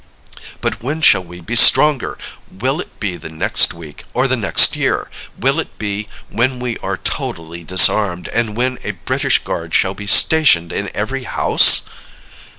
But when shall we be stronger? Will it be the next week, or the next year? Will it be when we are totally disarmed, and when a British guard shall be stationed in every house?